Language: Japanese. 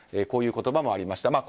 こういう言葉もありました。